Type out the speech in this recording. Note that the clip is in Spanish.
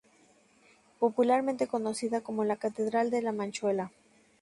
Popularmente conocida como la "Catedral de La Manchuela".